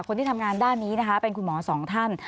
คนที่ทำงานด้านนี้นะคะเป็นคุณหมอสองท่าน